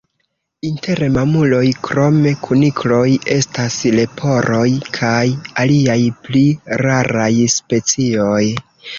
Inter mamuloj, krom kunikloj, estas leporoj kaj aliaj pli raraj specioj.